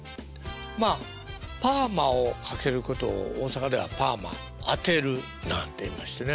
まあパーマをかけることを大阪では「パーマあてる」なんて言いましてね。